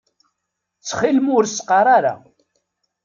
Ttxil-m ur s-qqaṛ ara.